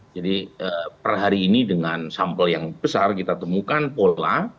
jadi per hari ini dengan sampel yang besar kita temukan pola